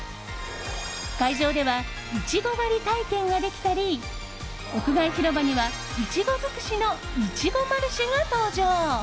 会場ではイチゴ狩り体験ができたり屋外広場にはイチゴ尽くしのいちごマルシェが登場。